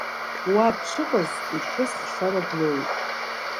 Уа дшыҟаз иԥҳәыс хшара длоуит.